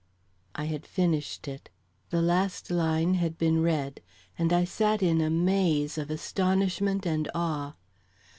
I had finished it; the last line had been read, and I sat in a maze of astonishment and awe.